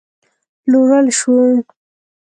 پلورل شو